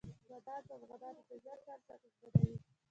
بادام د افغانانو د ژوند طرز اغېزمنوي.